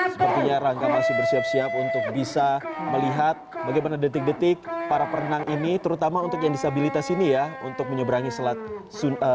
sepertinya rangga masih bersiap siap untuk bisa melihat bagaimana detik detik para perenang ini terutama untuk yang disabilitas ini ya untuk menyeberangi selat sunda